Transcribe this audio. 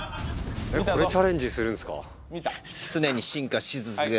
これチャレンジするんすか？